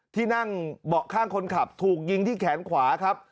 ที่นั่งเบาะข้างคนขับถูกยิงที่แขนขวาครับ